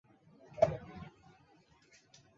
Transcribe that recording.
睫毛蕨为睫毛蕨科睫毛蕨属下的一个种。